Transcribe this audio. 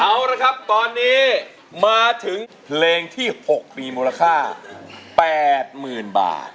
เอาละครับตอนนี้มาถึงเพลงที่๖มีมูลค่า๘๐๐๐บาท